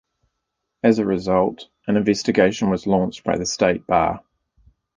As a result, an investigation was launched by the state bar.